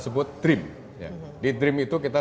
sebut dream di dream itu kita